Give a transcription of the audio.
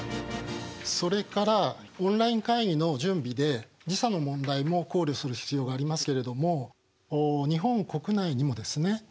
それからオンライン会議の準備で時差の問題も考慮する必要がありますけれども日本国内にもですね